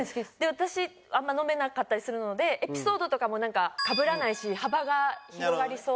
私あんま飲めなかったりするのでエピソードとかもなんかかぶらないし幅が広がりそう。